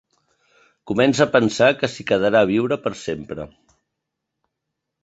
Comença a pensar que s'hi quedarà a viure per sempre.